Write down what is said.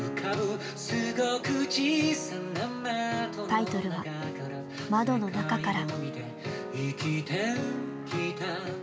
タイトルは「窓の中から」。